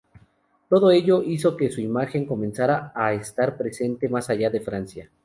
Todo ello hizo que su imagen comenzara a estar presente más allá de Francia.